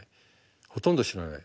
ほとんど知らない。